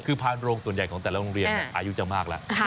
คือพานโรงส่วนใหญ่ของแต่ละโรงเรียนอายุจะมากแล้ว